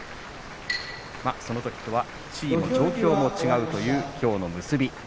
そのときとは地位も状況も違うというきょうの結びです。